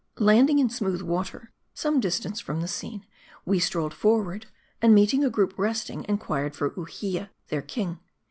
Landing in smooth water, some distance from the scene, we strolled forward; and meeting. a group resting, inquired for Uhia, their king.